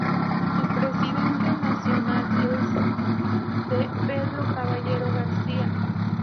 Su presidente nacional es D. Pedro Caballero García.